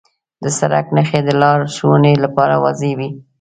د سړک نښې د لارښوونې لپاره واضح وي.